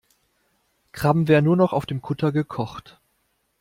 Krabben werden noch auf dem Kutter gekocht.